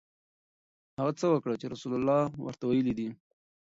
هغه څه وکړه چې رسول الله ورته ویلي دي.